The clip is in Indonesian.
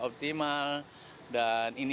optimal dan ini